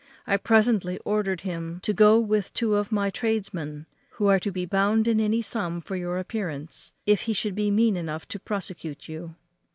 I presently ordered him to go with two of my tradesmen, who are to be bound in any sum for your appearance, if he should be mean enough to prosecute you.